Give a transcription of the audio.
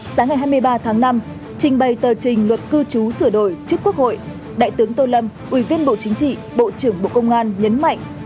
sáng ngày hai mươi ba tháng năm trình bày tờ trình luật cư trú sửa đổi trước quốc hội đại tướng tô lâm ủy viên bộ chính trị bộ trưởng bộ công an nhấn mạnh